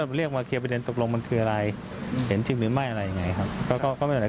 มาเขียนเกี่ยวประเด็นตกลงมันคืออะไรเห็นจริงหรือไม่